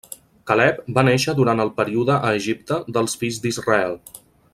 Caleb va néixer durant el període a Egipte dels fills d'Israel.